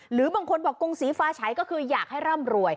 หรือบางคนบอกกงศรีฟ้าใช้ก็คืออยากให้ร่ำรวย